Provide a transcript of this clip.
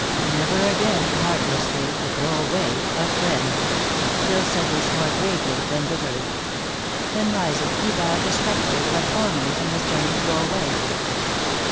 " Never again heartlessly to throw away a friend !!" L Isle said this more gravely than bitterly. Then rising, he bowed respectfully but formally, and was turning to go away.